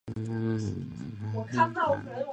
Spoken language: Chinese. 短光水蚤为光水蚤科光水蚤属下的一个种。